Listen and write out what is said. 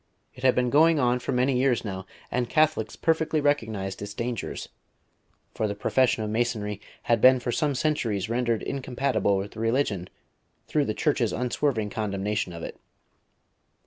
It had been going on for many years now, and Catholics perfectly recognised its dangers, for the profession of Masonry had been for some centuries rendered incompatible with religion through the Church's unswerving condemnation of it.